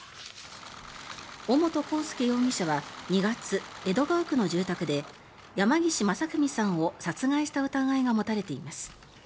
尾本幸祐容疑者は２月江戸川区の住宅で山岸正文さんを殺害した疑いが持たれています。